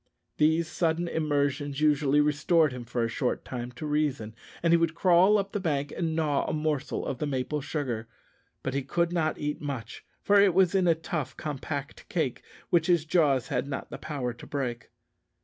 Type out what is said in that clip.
These sudden immersions usually restored him for a short time to reason, and he would crawl up the bank and gnaw a morsel of the maple sugar; but he could not eat much, for it was in a tough, compact cake, which his jaws had not power to break.